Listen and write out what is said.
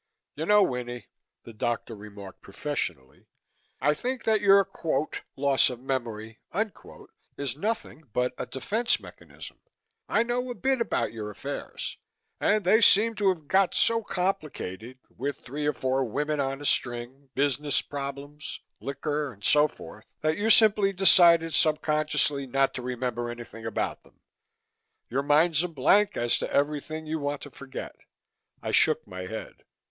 "You know, Winnie," the doctor remarked professionally, "I think that your quote loss of memory unquote is nothing but a defense mechanism. I know a bit about your affairs and they seem to have got so complicated with three or four women on a string, business problems, liquor and so forth that you simply decided subconsciously not to remember anything about them. Your mind's a blank as to everything you want to forget." I shook my head.